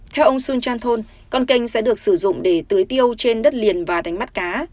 theo ông sun chanthol con canh sẽ được sử dụng để tưới tiêu trên đất liền và đánh mắt cá